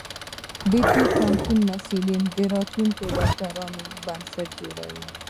د طبی پوهنتون محصلین د راتلونکي ډاکټرانو بنسټ جوړوي.